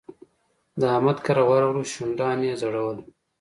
د احمد کره ورغلو؛ شونډان يې ځړول.